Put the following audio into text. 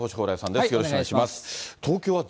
よろしくお願いします。